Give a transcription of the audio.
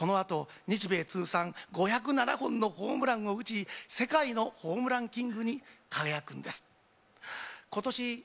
松井秀喜は野球少年に戻り、このあと、日米通算５０７本のホームランを打ち、世界のホームランキングに輝くんです。